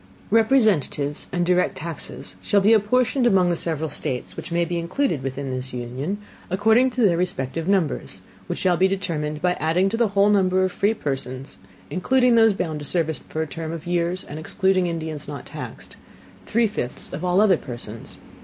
Representatives and direct Taxes shall be apportioned among the several States which may be included within this Union, according to their respective Numbers, which shall be determined by adding to the whole number of free Persons, including those bound to Service for a Term of Years, and excluding Indians not taxed, three fifths of all other Persons.